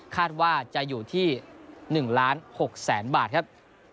คาดว่าจะอยู่ที่๑ล้าน๖แสนบาทครับ